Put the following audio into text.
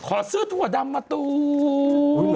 ขอซื้อถั่วดำมาตูน